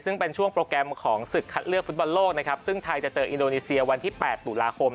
ซึ่งเป็นช่วงโปรแกรมของศึกคัดเลือกฟุตบอลโลกนะครับซึ่งไทยจะเจออินโดนีเซียวันที่๘ตุลาคม